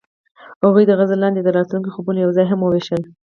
هغوی د غزل لاندې د راتلونکي خوبونه یوځای هم وویشل.